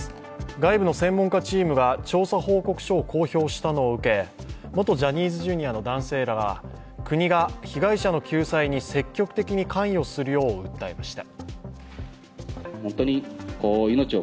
外部の専門家チームが調査報告書を公表したのを受け元ジャニーズＪｒ．の男性らは国が被害者の救済に積極的に関与するよう訴えました。